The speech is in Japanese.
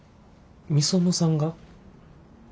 御園さんが？